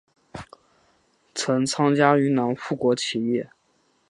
曾参加云南护国起义。